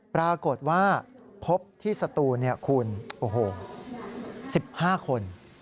ปรากฏว่าพบที่สตูนคูณ๑๕คน